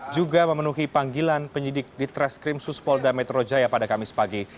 juga memenuhi panggilan penyidik di treskrim suspolda metro jaya pada kamis pagi